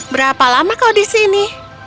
berapa lama kau di sini